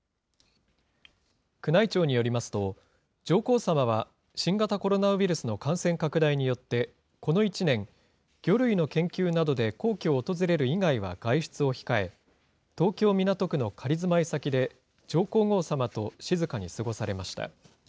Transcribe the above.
宮内庁によりますと、上皇さまは、新型コロナウイルスの感染拡大によって、この一年、魚類の研究などで皇居を訪れる以外は外出を控え、東京・港区の仮住まい先で、上皇后さまと静かに過ごされました。